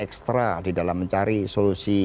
ekstra di dalam mencari solusi